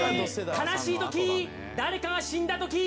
「悲しいとき誰かが死んだとき」